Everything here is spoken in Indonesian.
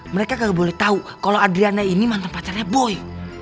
mereka gak boleh tahu kalau adriana ini mantan pacarnya boy